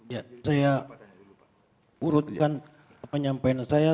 ya saya urutkan penyampaian saya